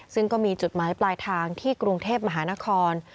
ซึ่งก็มีจุดหมายปลายทางที่กรุงเทพมหานคร